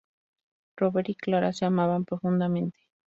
Robert y Clara se amaban profundamente.